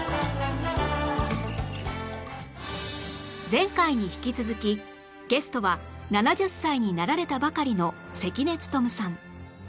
前回に引き続きゲストは７０歳になられたばかりの関根勤さん